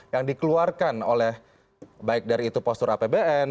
yang dikeluarkan oleh baik dari itu postur apbn